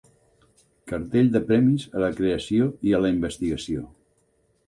Cartell de premis a la creació i a la investigació.